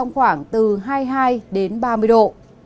khoảng từ hai mươi hai đến ba mươi độ